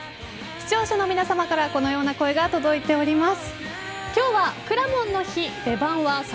視聴者の皆さまからこのような声が届いております。